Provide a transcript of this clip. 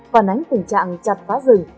phản ánh tình trạng chặt phá rừng